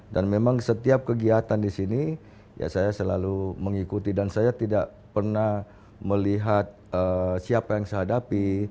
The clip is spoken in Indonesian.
dan memang setiap kegiatan di sini ya saya selalu mengikuti dan saya tidak pernah melihat siapa yang saya hadapi